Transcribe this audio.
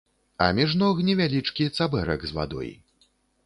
А між ног невялічкі цабэрак з вадой.